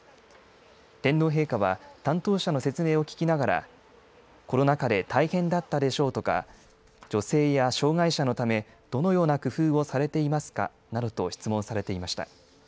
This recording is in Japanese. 天皇陛下は担当者の説明を聞きながらコロナ禍で大変だったでしょうとか女性や障害者のためどのような工夫をされていますかなどと質問されていました。